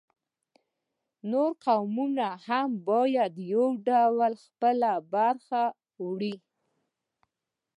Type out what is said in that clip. نور قومونه هم په یو ډول خپله برخه وړي